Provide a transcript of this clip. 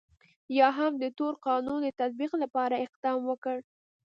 یا هم د تور قانون د تطبیق لپاره اقدام وکړ.